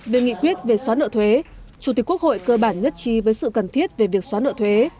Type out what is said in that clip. về nghị quyết về xóa nợ thuế chủ tịch quốc hội cơ bản nhất trí với sự cần thiết về việc xóa nợ thuế